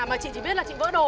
mà chị chỉ biết là chị vỡ đồ